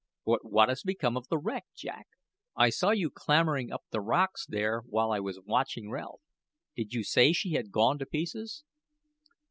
"But what has become of the wreck, Jack? I saw you clambering up the rocks there while I was watching Ralph. Did you say she had gone to pieces?"